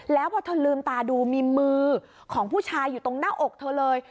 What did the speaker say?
แล้วพอเธอลืมตาดูมีมือของผู้ชายอยู่ตรงหน้าอกเธอเลย